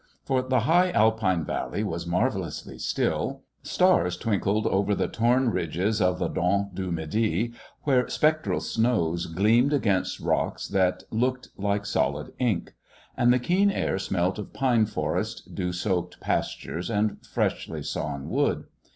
For the high Alpine valley was marvellously still; stars twinkled over the torn ridges of the Dent du Midi where spectral snows gleamed against rocks that looked like solid ink; and the keen air smelt of pine forests, dew soaked pastures, and freshly sawn wood.